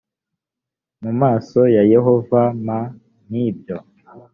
mu maso ya yehova m nk ibyo